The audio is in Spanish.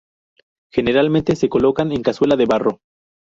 Generalmente se colocan en cazuela de barro.